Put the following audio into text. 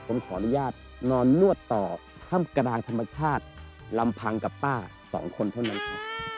ผมขออนุญาตนอนนวดต่อถ้ำกลางธรรมชาติลำพังกับป้าสองคนเท่านั้นครับ